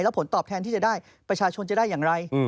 ผลตอบแทนที่จะได้ประชาชนจะได้อย่างไร